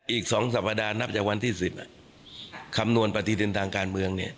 อีกสองสัปดาห์นับจากวันที่สิบคำนวณปฏิเสธทางการเมือง